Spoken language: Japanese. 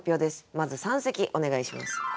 まず三席お願いします。